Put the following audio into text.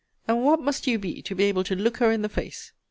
And what must you be, to be able to look her in the face?